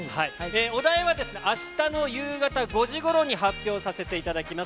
お題はあしたの夕方５時ごろに発表させていただきます。